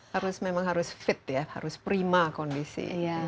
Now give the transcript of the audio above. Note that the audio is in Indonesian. harus memang harus fit ya harus prima kondisi